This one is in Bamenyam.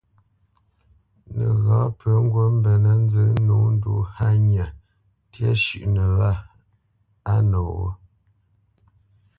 Nəghǎ pə ŋgǔt mbenə́ nzə nǒ ndu hánya ntyá shʉ́ʼnə wâ noghó.